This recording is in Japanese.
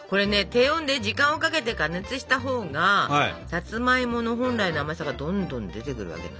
低温で時間をかけて加熱したほうがさつまいもの本来の甘さがどんどん出てくるわけなのね。